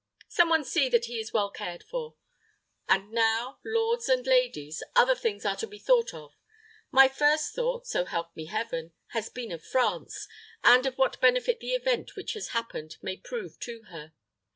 Some one see that he is well cared for. And now, lords and ladies, other things are to be thought of. My first thought, so help me Heaven, has been of France, and of what benefit the event which has just happened may prove to her.